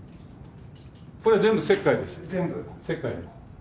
これ全部石灰です。